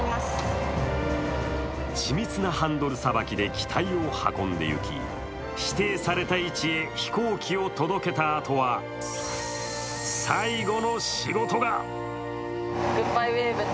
緻密なハンドルさばきで機体を運んでいき指定された位置へ飛行機を届けたあとは、最後の仕事が。